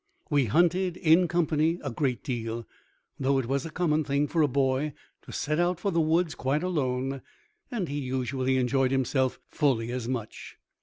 We hunted in company a great deal, though it was a common thing for a boy to set out for the woods quite alone, and he usually enjoyed himself fully as much.